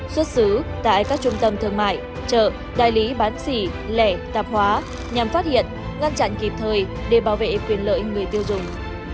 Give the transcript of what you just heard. xuất xứ tại các trung tâm thương mại chợ đại lý bán xỉ lẻ tạp hóa nhằm phát hiện ngăn chặn kịp thời để bảo vệ quyền lợi người tiêu dùng